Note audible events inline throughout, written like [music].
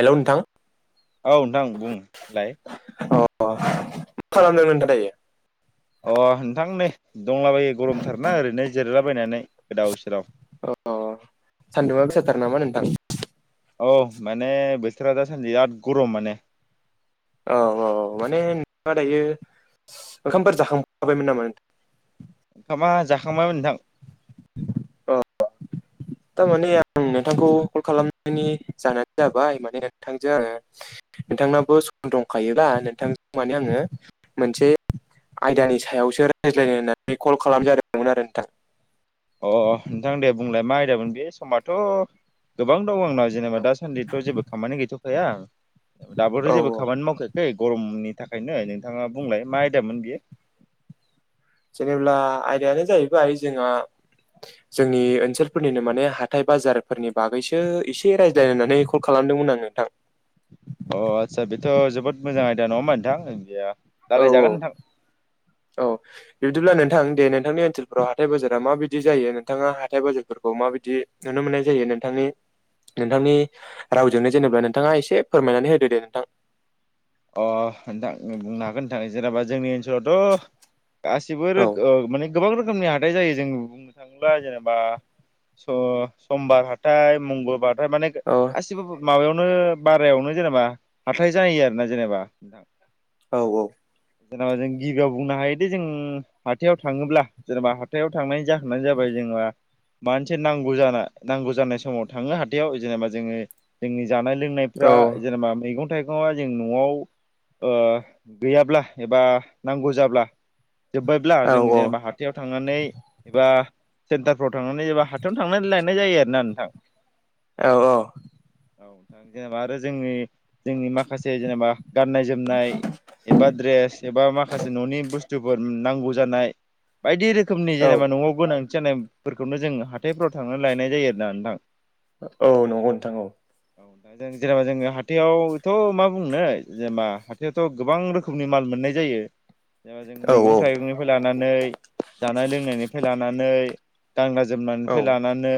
हेल नोंथां। औ नोंथां बुं लाय। अ मा खालामदों नोंथाङा दायो? अ नोंथां नै दंलाबायो गरमथारना ओरैनो जिरलाबायनानै गोदाव सोराव। अ सान्दुंङा गोसाथार नामा नोंथां? औ माने बोथोरा दासान्दि बिराद गरम माने। औ औ माने नों मा दायो? ओंखामफोर जाखांबायमोन नामा? ओंखामा जाखांबायमोन नोंथां। अ [inaudible] थारमाने आं नोंथांखौ कल खालामनायनि जाहोनानो जाबाय माने नोंथांजों आङो। नोंथांनाबो सम दंखायोबा, नोंथां माने आङो मोनसे आयदानि सायावसो रायज्लायनो होननानै कल खालाम जादोंमोन आरो नोंथां। अ नोंथां दे बुंलाय मा आमदामोन बे समाथ गोबां दं आंनाव जेनेबा दाासान्दिथ जेबो खामानि गैथखाया। दाबोथ औ जेबो खामानि मावखायाखै गरमनि। थाखायनो नोंथाङा बुंलाय मा आयदामोन बेयो? जेनेब्ला आयदायानो जाहैबाय जोंहा। जोंनि ओनसोलफोरनिनो माने हाथाय बाजारफोरनि बागैसो एसे रायज्लायनानै कल खालाम खालामदोंमोन आं नोंथां। अ आदसा बेथ' जोबोद मोजां आयदा नङाा नोंथां जा औ औ औ। बिदिब्ला नोंथां दे नोंथांनि ओनसोलफोराव हाथाय बाजारा माबायदि जायो नोंथाङा हाथाय बाजारफोरखौ माबायदि नुनो मोनो। नाय जायो नोंथांनि नोंथांनि रावजोंनो जेनेबा नोंथाङा एसे फोरमायनानै होदो दे नोंथां? अ नोंथां बुंनो हागोन नोंथां जेनेबा जोंनि ओनसोलावथ' गासिबो रो औ मानानि गोबां रोखोमनि हादाइ जायो जों बुंनो थाङोब्ला जेनेबा स समबार हाथथाय मंगलबार फ्राय माने औ गासिबो माबायावनो बारायावनो जेनेबा हाथाय जानाय आरो जेनेबा नोंथां। औ औ। जेनेबा जों गिबियाव बुंनो हायोदि जों हाथायाव थाङोब्ला जेनेबा हाथायाव थांनायनि जाहोनानो जाबाय जों जे मानसि नांगौ ज नांगौ जानाय समाव थाङो हाथायाव जेनेबा जोङो जोंनि जानाय लोंनायफ्रा जेनेबा मैगं थाइगं जों न'आव ओ गैयाब्ला एबा नांगौ जाब्ला जोब्बायब्ला औ जों जेनेबा हाथायाव थांनानै एबा सेन्टारफ्राव थांनानै जबा हाथायावनो थांनानै लाय नाय जायो आरोना नोंथां। औ औ। औ नोंथां जेनेबा आरो जोंनि जोंनि माखासे जेनेबा गाननाय जोमनाय एबा द्रेस एबा माखासे न'नि बुस्थु जद नांगौ जानाय बायदि रोखोमनि औ जेनेबा न'आव गोनां जानायफोरखौनो जों हाथायफोराव थांनानै लायनाय जायो आरोना नोंथां। औ नंगौ नोंथां औ। औ दा जों जेनेबा जोङो हाथायावथ' मा बुंनो जेनेबा हाथायावथ' गोबां रोखोमनि माल मोननाय जायो। जों मैगं औ थाइगंनिफ्राय लानानै जानाय लोंनायनिफ्राय लानानै गांना औ जोमनायनिफ्राय लानानै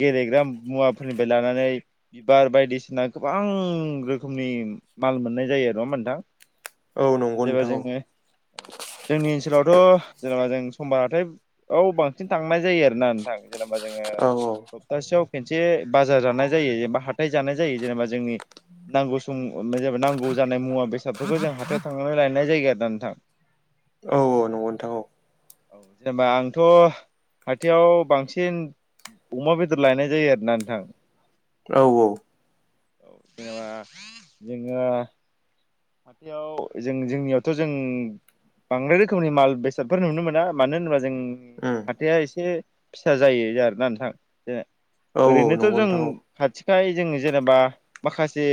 गेलेग्रा मुवाफोरनिफ्राय लानानै बिबार बायदिसिना गोबां रोखोमनि माल मोननाय जायो नङा होनबा नोंथां। औ नंगौ जेबा नोंथां औ जोङो जोंनि ओनसोलावथ' जेनेबा जों समबारथाय औ बांसिन थांनाय जायो। नोंथां जेनेबा जोङो औ सप्तासेयाव [unintelligible] नांगौ जानाय मुवा बेसादफोरखौ जों हाथायाव थांनानै लायनाय जायगायो आरो नोंथां। औ औ नंगौ नोंथां औ। जेनेबा आंथ हाथायाव बांसिन अमा बेदर लायनाय जायो आरोना नोंथां। औ औ। औ जेनबा जोङो हाथायाव जों जोंनियावथ' जों बांराय रोखोमनि माल बेसादफोर नुनो मोना मानो होनो। जोंनि उम हाथाया एसे फिसा जायो आरोना नोंथां। औ ओरैनोथ' नंगौ जों नोंथां औ खाथि खा जों जेनेबा माखासे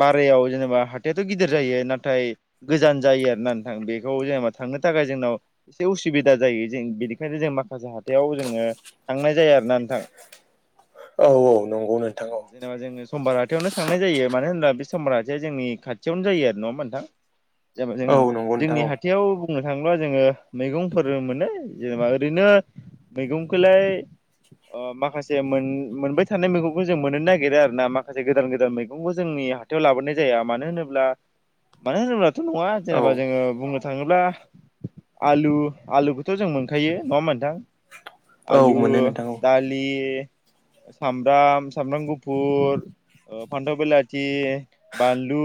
बारायाव जेनेबा हाथायाथ' गिदिर गिदिर जायो नाथाय गोजान जायो आरो नाथां बेखौ जेनेबा थांनो थाखाय जोंनाव एसे उसुबिदा जायो बेनिखायनो जों माखासे हाथायाव जोङो थांनाय जाया आरोना नोंथां। औ औ नंगौ नोंथां। औ जेनेबा जोङो समबार आथायावनो थांनाय जायो मानो होनब्ला बे समबार आाथा जोंनि खाथियावनो जायो आरो नङा नोंथां। जेना जों औ नंगौ नोंथां जोंनि औ हाथायाव बुंनो थाङोब्ला जोङो मैगंफोर मोनो जेनेबा ओरैनो मैगंखौलाय माखासे मोनबाय थानाय मैगंखौ जों मोननो नागिरो आरो ना माखासे गोदान गोदान मैगंबो जोंनि हाथायाव लाबोनाय जाया मानो होनबा अब्ला मानो होनोब्लाथ नङा औ जेनेबा जोङो बुंनो थाङोब्ला आलु आलुखौथ जों मोनखायो नङा होमबा नोंथां औ आलु मोनो नोंथां औ दालि सामब्राम सामब्राम गुफुर फान्थाव बिलाथि बानलु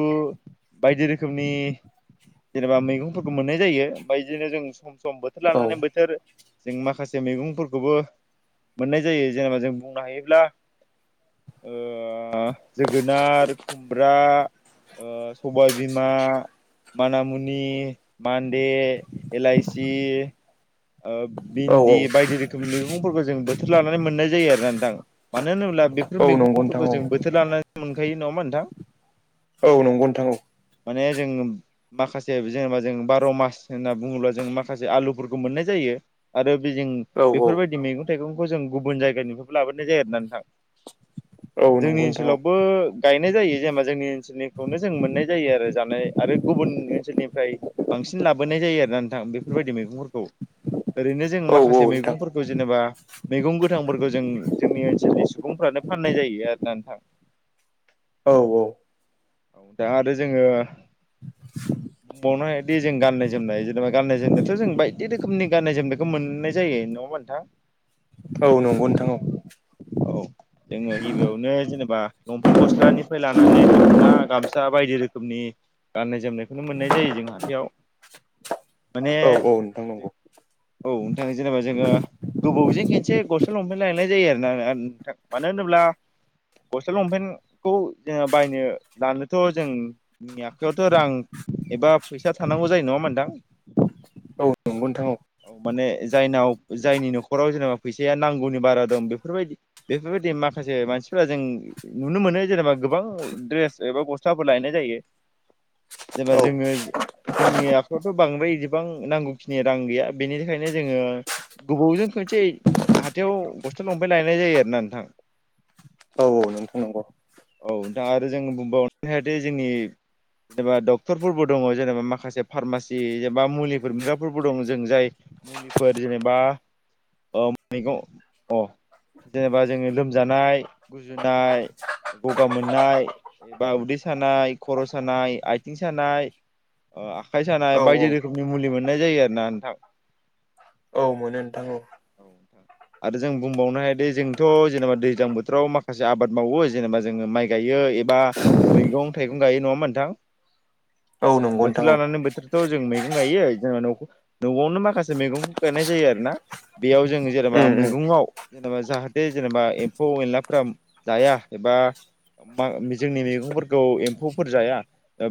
बायदि रोखोमनि जेनेबा मैगंफोरखौ मोननाय जायो बायदिनो जों। सम सम बोथोर लानानै औ बोथोर जों माखासे मैगंफोरखौबो मोननाय जायो जेनेबा जों बुंनो हायोब्ला ओ जोगोनार खुमब्रा सबाय बिमा, मानामुनि, मान्दे, एल आइसि ओ औ भिन्दि औ बायदि रोखोमनि मैगंफोरखौ जों बोथोर लानानै मोननाय जायो आरो ना नोंथां। मानो होनोब्ला बेफोर औ नंगौ नोंथां मैगंफोरखौ औ जों बोथोर लानानै मोनखायो नङामा नोंथां। औ नंगौ नोंथां औ माने जों माखासे जेनेबा जों बार मास होनना बुङोब्ला जों माखासे आलुफोरखौ मोननाय जायो। आरो जं औ बेफोरबायदि मैगं थाइगंखौ जों गुबुन जायगानिफ्रायबो लाबोनाय जाया आरा नोंथां। औ जोंनि नंगौ नोंथां ओनसोलावबो गायनाय जायो जेनेबा जोंनि ओनसोलनिखौनो जों मोननाय जायो आरो जानाय आरो गुबुन ओनसोलनिफ्राय बांसिन लाबोनाय जायो आरो नोंथां बेफोरबायदि फोरखौ ओरैनो जोंङ औ औ माखासे नोंथां मैगंफोरखौ जेनेबा मैगं गोथांफोरखौ जों जोंनि ओनसोलनि सुबुंफ्रानो फाननाय जायो आरो ना नोंथां। औ औ औ दा आरो जोङो बुंबावनो बिदि जों गाननाय जोमनाय जेनेबा गाननाय जोमनायाथ जों बायदि रोखोमनि गाननाय जोमनायखौ मोननाय जायो नाङा होनबा नोंथां। औ नंगौ नोंथां औ औ जोङो गिबियावनो जेनेबा लंफेन गस्ल लानिफ्राय लानानै दखना गामसा बायदि रोखोमनि गाननाय जोमनायखौनो मोननाय जायो जों हााथथाययाव औ औ नोंथां नंगौ औ नोंथां जेनेबा जोङो गोबावजों खनसे गस्ला लंफाय लायनाय जायो आरो ना नोंथां मानो होनोब्ला गस्ल लंपेन्टखौ जोङो बायनो दानोथ जोंनि आखायावथ रां एबा फैसा थानांगौ जायो नङाम मोनदां औ नंगौ नोंथां औ माने जायनाव जायनि न'खराव जेनेबा फैसाया नांगौनि बारा दं बेफोरबायदि बेफोरबायदि माखासे मानसिफोरा जों नुनो मोनो जेनेबा गोबां द्रेस एबा गस्लााफोर लायनानै जेनबा औ जोङो जोंनि बेथ बांद्राय एसेबां नांगौखिनि रां गैया बेनि थाखायायनो जोङो गोबावजों खनसे हाथायाव गस्थ लंफबाय लायनाय जायो आरोोना नोंथां। गबावनो थांनांगौ औ दा आरो जों बुंबावनो हायोदि जोंनि जेनेबा डक्टरफोरबो दङ जेनेबा माखासे फार्मासि जेनेबा मुलिफोर मोनग्राफोरबो दङ जों जाय मुलिफोर जेनेबा ओ मैगं अ जेनेबा जोङो लोमजानाय गुजुनाय गगा मोननाय एबा उदै सानाय खर सानाय आथिं सानाय ओ आखाय औ सानाय बायदि रोखोमनि मुलि मोननाय जायो आरो ना नोंथां। औ मोनो नोंथां औ आरो जों बुंबावनो हा जोंथ' जेनेबा दैज्लां बोथोराव माखासे आबाद मावो जेनेबा जोङो माइ गायो एबा मैगं मैगं-थाइगं गायो नङा होमबा मोनोंथां औ नंगौ नोंथां बोथोर औ लानानै बोथोर थ' जों मैगं गायो न' न'आवनो माखासे मैगंखौ गायनाय जायो आरो ना बेयाव जों जेनेबा उम उम मैगङाव जेनेबा जाहाथे जेनेबा एम्फौ-एनलाफोरा जाया एबा बा जोंनि मैगंफोरखौ एम्फौफोर जाया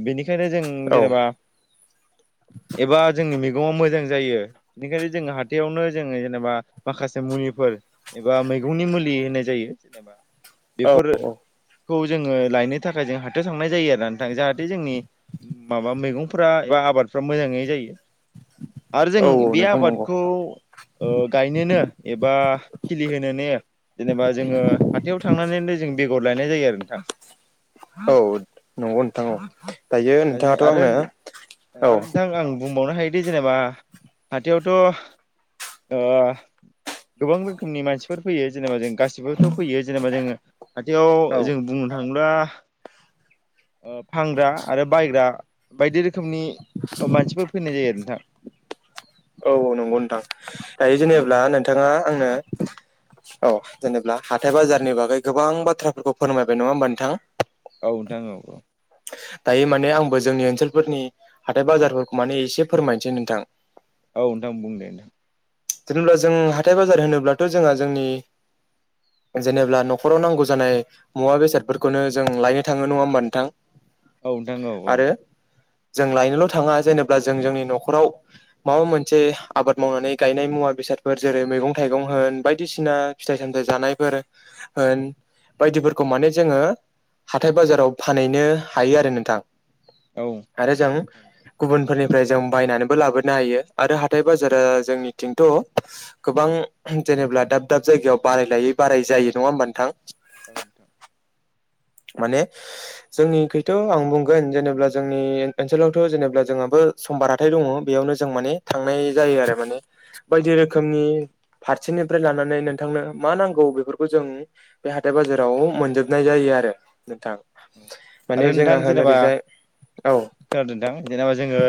बेनिखायनो जों औ जेनेबा ताम एबा जोंनि मैगङा मोजां जायो बेनिखायनो जोंङो हाथायावनो जोङो जेनेबा माखासे मुलिफोर एबा मैगंनि मुलि होनाय जायो जेनेबा औ बेफोर खौ जोङो लायनो थाखाय जों हाथाव थांनाय जायो आरो नोंथां जाहाथे जोंनि माबा मैगंफोरा एबा आबादफ्रा मोजाङै जायो। आरो जों औ बे नोंथां नंगौ आबादखौ ओ गायनोनो एबा खिलिहोनो ने जेनेबा जोङो हाथायाव थांनानैनो जों बेगर लायनाय जायो आरो नोंथां [unintelligible] औ नंगौ नोंथां औ दायो नोंथां नोंथाङाथ' आरो आंनो औ आरो नोंथां आं बुंबावनो हायो बिदि जेनेबा हाथाइयावथ' ओ गोबां रोखोमनि मानसिफोर फैयो जेनेबा जों गासिबोथ' फैयो जेनेबा जोङो हाथाइयाव औ जों बुंनो थाङोब्ला ओ फानग्रा आरो बायग्रा बायदि रोखोमनि औ मानसिफोर फैनाय जायो नोंथां औ नंगौ नोंथां दायो जेनेबा नोंथाङा आंनो [unintelligible] औ जेनेबा हाथाइ बाजारनि बागै गोबां बाथ्राफोरखौ फोरमायबाय नङा होमबा नोंथां औ नोंथां औ औ दायो माने आंबो जोंनि ओनसोलफोरनि हाथाइ बाजारफोरखौ माने एसे फोरमायनोसै नोंथां औ नोंथां बुं दे नों जेनेबा जों हाथाइ बाजार होनोब्लाथ' जोंहा जोंनि जेनेब्ला न'खराव नांगौ जानाय मुवा बेसादफोरखौनो जों लायनो थाङो नङा होमबा नोंथां औ नोंथां औ औ आरो जों लायनोल' थाङा जेनेबा जों जोंनि न'खराव माबा मोनसे आबाद मावनानै गायनाय मुवा बेसादफोर जेरै मैगं थाइगं होन बायदिसिना फिथाइ सामथायाइ जानायफोर होन बायदिफोरखौ माने जोङो हाथाइ बाजाराव फानहैनो हायो आरो नोंथां औ आरो जों गुबुन फोरनिफ्राइ जों बायनानैबो लाबोनो हायो आरो हाथाइ बाजारा नोंथां जोंनि बेथ' गोबां जेनेब्ला दाब दाब जायगायाव बाराय लायै बारायै जायो नङा होमबा नोंथां औ नोंथां माने जोंनि खैथ' आं बुंगोन जेनेबा जोंनि ओनसोलावथ' जेनेब्ला जोंहाबो ओ समबार हाथाइ दङ बेयावनो जों माने थांनाय जायो आरो माने बायदि औ रोखोमनि फारसेनिफ्राय लानानै नोंथांनो मा नांगौ बेफोरखौ जों बे हाथाय बाजाराव मोनजोबनाय जायो आरो नोंथां औ माने आरो नोंथां जोंहा होन जेनेबा ओरैजाय औ खोनादोंथां जेनेबा जोङो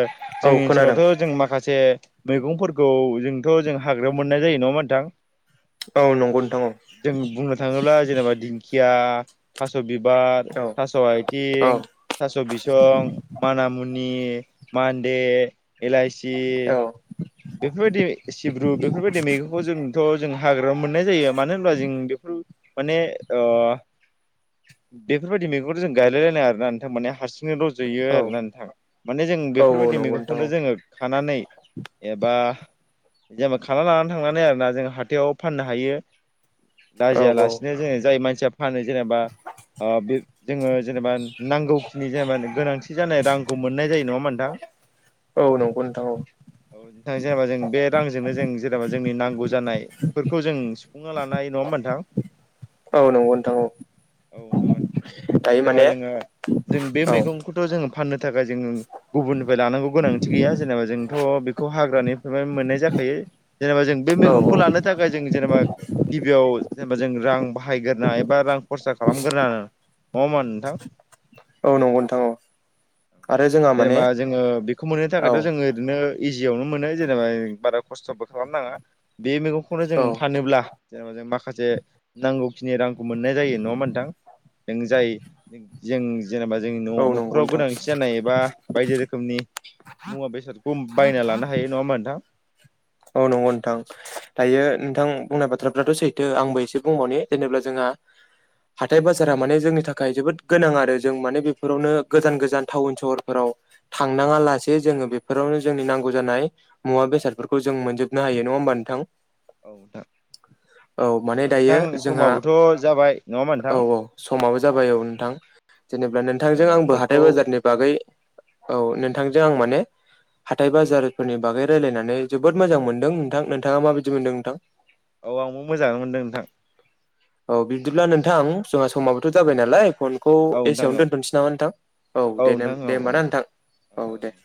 औ जोंनि खोनादों ओनसोलावथ' जों माखासे मैगंफोरखौ जोंथ' जों हाग्रायाव मोननाय जायो नङा होमबा नोंथां औ नंगौ नोंथां औ जों बुंनो थाङोब्ला जेनेबा दिंखि दिखाया थास' बिबार औ थास' आइथिं थास' बिसं मानाामुनि मान्दे इलाइसि औ बेफोरबायदि सिब्रु बेफोरबायदि मैगंखौ जोंथ' जों हाग्रायाव मोननाय जायो मानो होनब्ला जों बेफोर माने अह बेफोरबायदि मैगंखौ जों गायलायलायनाय आरोना नोंथां माने हारसार सिंनो रज'यो औ आरो ना नोथां माने जों औ बेफोरबायदि नंगौ नोंथां मैगंखौनो जोङो खानानै एबा जेनेबा खाना लानानै थांनानै आरोना जों हाथायाव फाननो हायो। औ लाजियालासिनो जोङो जाय मानसिया फानो जेनेबा ओ बे जोङो जेनेबा नांगौखिनि जेनेबा गोनांथि जानाय रांखौ मोननाय जायो नङा होनबा नोंथां? औ नंगौ नोंथां औ नोंथां जेनेबा जों बे रांजोंनो जों जेनेबा जोंनि नांगौ जानायफोरखौ जों सुफुंना लानो हायो नङा होनबा नोंथां? औ नंगौ नोंथां औ औ [unintelligible] दायो जेनेबा माने जोङो जों बे औ मैगंखौथ' जोङो फाननो थाखाय जोंङो गुबुननिफ्राय लानांगौ गोनांथि गैया, जेनेबा जोंथ' खौ हाग्रानिफ्राय मोननाय जाखायो। जेनेबा जों बे औ मैगंखौ लानो थाखाय जों जेनेबा गिबियाव जेनेबा जों रां बाहायग्रोना एबा रां खरसा खालामग्रोनाङो नङा होनबा नोंथां औ नंगौ नोंथां औ आरो जोंहा माने जेनेबा जोङो बेखौ मोननो औ थाखायथ' जोङो ओरैनो इजियावनो मोनो। जेनेबा बारा खस्थ' खालामनाङा बे मैगं खौनो जों औ फानोब्ला जेनबा जों मा खासे नांगौखिनि रांखौ मोननाय जायो नङा होनबा नोंथां? जों जाय जों जेनेबा जोंनि औ न' नंगौ न'खराव नोंथां गोनांथि जानाय एबा बायदि रोखोमनि मुवा बेसाद खम बायना लानो हायो नङा होमबा नोंथां? औ नंगौ नोंथां। औ दायो नोंथां बुंनाय बाथ्रा याथ' सैथो आंबो एसे बुंबाव ने जेनेबा जोंहा हाथाय बाजारा माने जोंनि थाखाय जोबोद गोनां आरो। जों माने बेफोरावनो गोजान गोजान टाउन- सहरफोराव थांनाङा लासे जोङो बेफोरावनो जोंनि नांगौ जानाय मुवा बेसादफोर खौ जों मोनजोबनो हायो नङा होमबा नोंथां? औ नोंथां औ माने जेनेबा दायो नोंथां जोंहा समाबोथ' जाबाय नङा होनबा औ नोंथां? औ समाबो जाबाय औ नोंथां। जेनेबा नोंथांजों जेनेबा आंबो हाथाय कलखौ बाजारनि बागै औ नोंथांजों आं माने हाथाय बाजारफोरनि बागै रायलायनानै जोबोद मोजां मोनदों नोंथां नोंथाङा माबायदि मोनदों नोंथां? औ आंबो मोजाङानो मोनदों नोंथां औ बिदिब्ला नोंथां जोंहा समाबोथ' जाबाय नालाय फन खौ औ नोंथां एसेयावनो औ दोनथ'नोसै नामा नोंथां? औ दे नेम नोंथां औ दे होनबा ना नोंथां औ दे [inaudible]